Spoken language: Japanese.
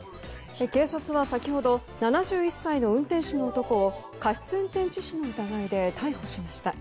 警察は先ほど７１歳の運転手の男を過失運転致死の疑いで逮捕しました。